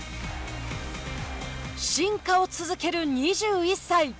進化を続ける２１歳。